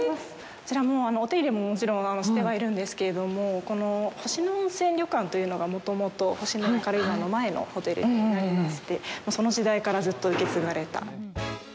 こちら、お手入れももちろんしてはいるんですけれども星野温泉旅館というのがもともと星のや軽井沢の前のホテルになりましてその時代からずっと受け継がれた。